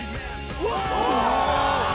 うわっ！